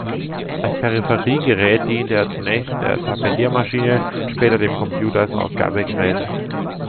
Als Peripheriegerät diente er zunächst der Tabelliermaschine, später dem Computer als Ausgabegerät.